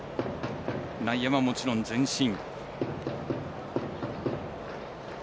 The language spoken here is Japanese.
内野はもちろん前進。